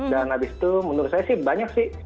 dan habis itu menurut saya sih banyak sih